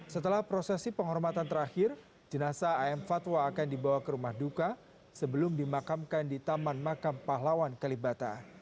setelah prosesi penghormatan terakhir jenazah am fatwa akan dibawa ke rumah duka sebelum dimakamkan di taman makam pahlawan kalibata